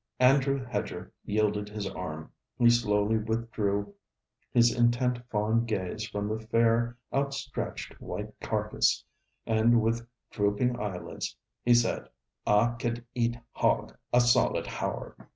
Andrew Hedger yielded his arm. He slowly withdrew his intent fond gaze from the fair outstretched white carcase, and with drooping eyelids, he said: 'Ah could eat hog a solid hower!'